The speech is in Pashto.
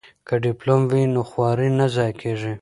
که ډیپلوم وي نو خواري نه ضایع کیږي.